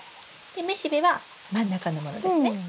雌しべは真ん中のものですね？